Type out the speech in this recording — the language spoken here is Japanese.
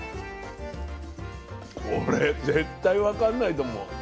これ絶対分かんないと思う。